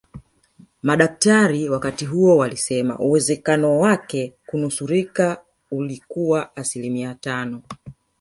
Madaktari wakati huo walisema uwezekano wake kunusurika ulikuwa asilimia tano